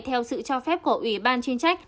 theo sự cho phép của ủy ban chuyên trách